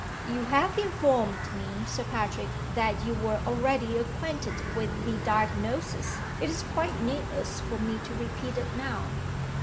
"You have informed me, Sir Patrick, that you were already acquainted with the Diagnosis. It is quite needless for me to repeat it now."